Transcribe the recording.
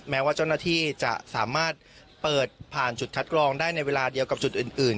แม้ว่าเจ้าหน้าที่จะสามารถเปิดผ่านจุดคัดกรองได้ในเวลาเดียวกับจุดอื่น